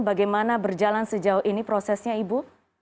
bagaimana berjalan sejauh ini prosesnya ibu